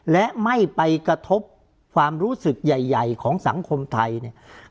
และไม่ไปกระทบความรู้สึกใหญ่ของสังคมไทยเนี่ย